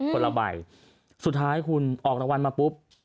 คนละใบสุดท้ายคุณออกรางวัลมาปุ๊บ